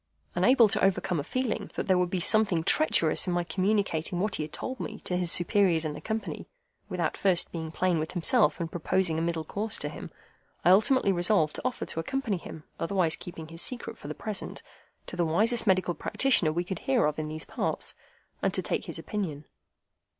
Unable to overcome a feeling that there would be something treacherous in my communicating what he had told me to his superiors in the Company, without first being plain with himself and proposing a middle course to him, I ultimately resolved to offer to accompany him (otherwise keeping his secret for the present) to the wisest medical practitioner we could hear of in those parts, and to take his opinion.